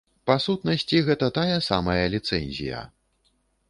Па сутнасці, гэта тая самая ліцэнзія.